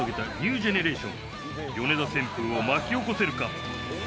ヨネダ旋風を巻き起こせるか。